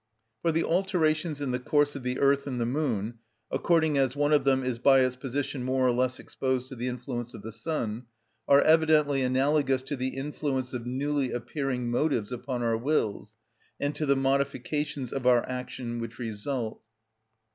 For the alterations in the course of the earth and the moon, according as one of them is by its position more or less exposed to the influence of the sun, are evidently analogous to the influence of newly appearing motives upon our wills, and to the modifications of our action which result.